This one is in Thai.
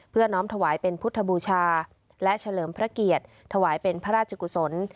น้อมถวายเป็นพุทธบูชาและเฉลิมพระเกียรติถวายเป็นพระราชกุศล